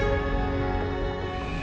maksudnya kamu selalu menghantar orang orang